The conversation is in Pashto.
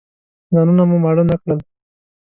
ځانونه مو ماړه نه کړل.